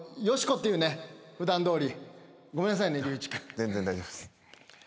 全然大丈夫です。